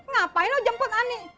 ngapain lo jemput ani